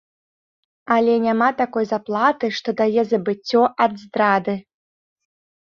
Але няма такой заплаты, што дае забыццё ад здрады.